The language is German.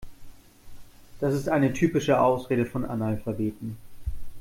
Das ist eine typische Ausrede von Analphabeten.